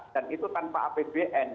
dan itu tanpa apbn